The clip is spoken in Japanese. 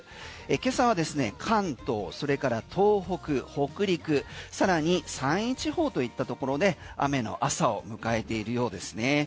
今朝はですね関東、それから東北北陸さらに山陰地方といったところで雨の朝を迎えているようですね。